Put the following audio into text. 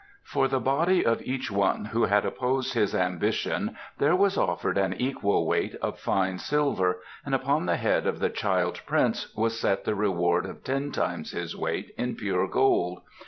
For the body of each one who had opposed his ambition there was offered an equal weight of fine silver, and upon the head of the child prince was set the reward of ten times his weight in pure gold.